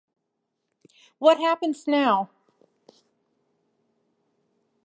What Happens Now?